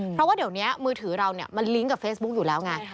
เพราะว่าเดี๋ยวนี้มือถือเรามันลิงก์กับเฟซบุ๊คอยู่แล้วไง